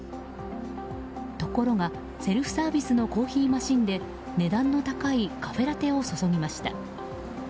ところがセルフサービスのコーヒーマシンで値段の高いカフェラテを注ぎました。